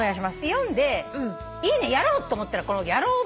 読んでいいねやろうと思ったらこのやろう！！